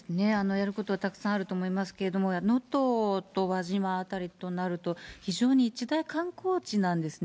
やることはたくさんあると思いますけども、能登と輪島辺りとなると、非常に一大観光地なんですね。